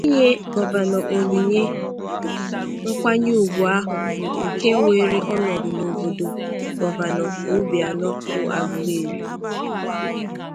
Inye Gọvanọ onyinye nkwanyeùgwù ahụ bụ nke weere ọnọdụ n'obodo Gọvanọ Obianọ bụ Agụleri